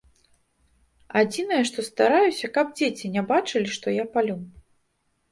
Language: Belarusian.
Адзінае, што стараюся, каб дзеці не бачылі, што я палю.